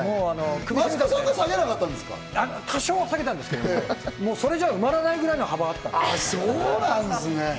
多少は下げたんですけど埋まらないぐらいの幅があったんです。